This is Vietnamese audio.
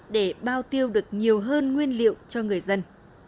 để bao tiêu được nhiều hơn nguyên liệu cho người dân